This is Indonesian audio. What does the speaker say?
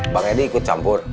bang edi ikut campur